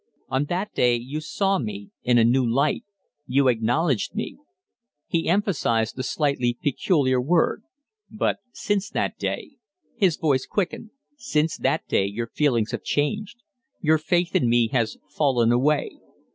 "On that day you saw me in a new light. You acknowledged me." He emphasized the slightly peculiar word. "But since that day" his voice quickened "since that day your feelings have changed your faith in me has fallen away."